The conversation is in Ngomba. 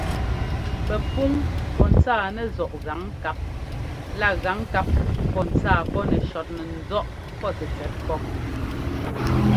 Pɛpúŋ pɔ́ ńtsáa nɛzɔ́ꞌ gaŋkáp lá gaŋkáp pɔ́ ntsáa pɔ́ nɛ shɔtnɛ ńzɔ́ꞌ pɔ́ tɛtsɛt pɔ́p.